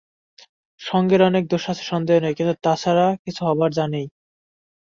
সঙ্ঘের অনেক দোষ আছে সন্দেহ নেই, কিন্তু তা ছাড়া কিছু হবারও যো নেই।